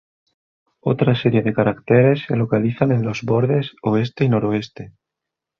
Otra serie de cráteres se localiza en los bordes oeste y noroeste.